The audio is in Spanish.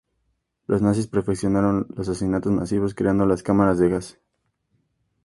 Los nazis perfeccionaron los asesinatos masivos, creando las cámaras de gas.